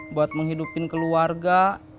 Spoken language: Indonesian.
buat menghidupin keluarga